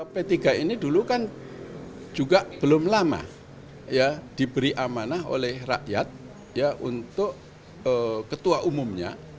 p tiga ini dulu kan juga belum lama diberi amanah oleh rakyat untuk ketua umumnya